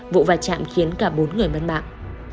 vụ va chạm khiến cả bốn người mất mạng